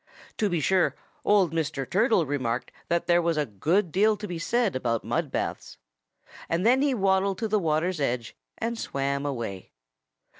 To be sure, old Mr. Turtle remarked that there was a good deal to be said about mud baths. And then he waddled to the water's edge and swam away.